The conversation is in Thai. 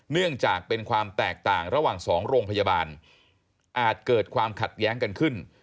เนื่องจากเป็นความแตกต่างระหว่างสองโรงพยาบาลอาจเกิดความขัดแย้งกันขึ้น